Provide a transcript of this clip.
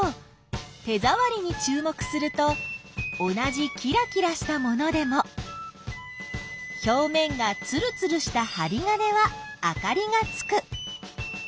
手ざわりにちゅう目すると同じキラキラしたものでもひょうめんがつるつるしたはり金はあかりがつく。